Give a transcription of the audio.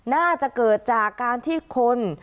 น่าจะเกิดจากการที่คน